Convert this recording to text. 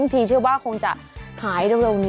ชิคกี้พายเชื่อว่าคงจะหายเร็วนี้